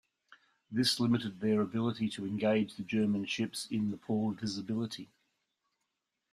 This limited their ability to engage the German ships in the poor visibility.